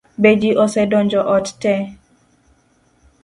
Be ji osedonjo ot tee?